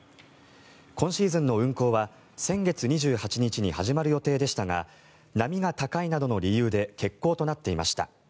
今シーズンの運航は先月２８日に始まる予定でしたが波が高いなどの理由で欠航となっていました。